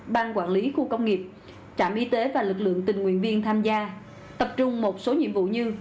ban quản lý khu công nghiệp trạm y tế và lực lượng tình nguyện viên tham gia tập trung một số nhiệm vụ như